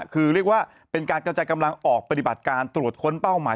คือเรียกว่าเป็นการกระจายกำลังออกปฏิบัติการตรวจค้นเป้าหมาย